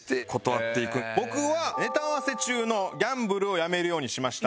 僕はネタ合わせ中のギャンブルをやめるようにしました。